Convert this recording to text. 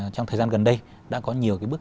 trong thời gian gần đây đã có nhiều bước